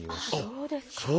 そうですか。